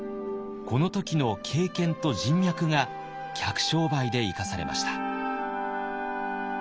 この時の経験と人脈が客商売で生かされました。